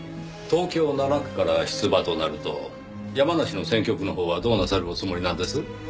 東京７区から出馬となると山梨の選挙区のほうはどうなさるおつもりなんです？